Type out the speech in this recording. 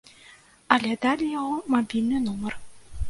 Але далі яго мабільны нумар.